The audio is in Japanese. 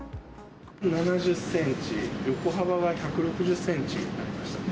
７０センチ、横幅が１６０センチありましたね。